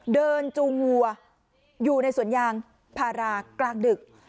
จูงวัวอยู่ในสวนยางพารากลางดึก